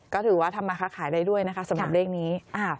ก็ถือว่าทำมาค้าขายได้ด้วยนะคะสำหรับเลขนี้